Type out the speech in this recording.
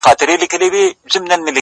• لا به تر څو دا سرې مرمۍ اورېږي,